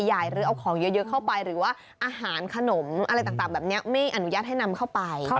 ให้น้องต้องโชว์รูปเขาหน่อยตอนที่เขาไป